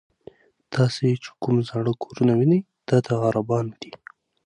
تاسې چې کوم زاړه کورونه وینئ دا د عربانو دي.